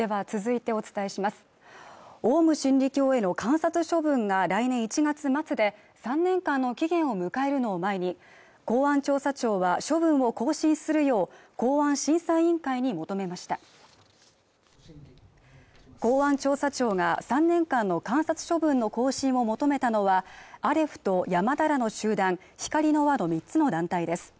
オウム真理教への観察処分が来年１月末で３年間の期限を迎えるのを前に公安調査庁は処分を更新するよう公安審査委員会に求めました公安調査庁が３年間の観察処分の更新を求めたのはアレフと山田らの集団ひかりの輪の３つの団体です